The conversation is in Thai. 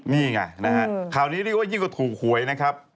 นี่ไงนะฮะข่าวนี้เรียกว่ายิ่งกว่าถูกหวยนะครับ